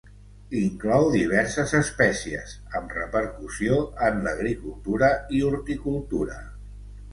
Inclou diverses espècies, amb repercussió en l'agricultura i horticultora.